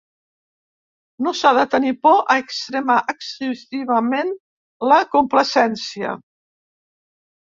No s'ha de tenir por a extremar excessivament la complacència.